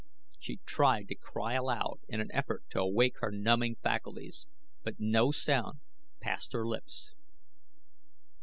She tried to cry aloud in an effort to awaken her numbing faculties, but no sound passed her lips.